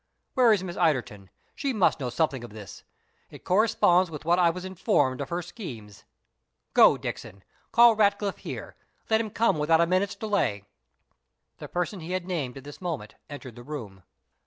Where is Miss Ilderton? she must know something of this. It corresponds with what I was informed of her schemes. Go, Dixon, call Ratcliffe here Let him come without a minute's delay." The person he had named at this moment entered the room.